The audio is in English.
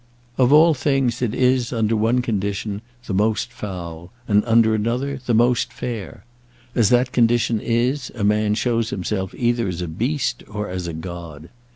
Of all things, it is, under one condition, the most foul, and under another, the most fair. As that condition is, a man shows himself either as a beast or as a god!